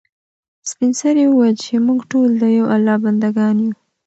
سپین سرې وویل چې موږ ټول د یو الله بنده ګان یو.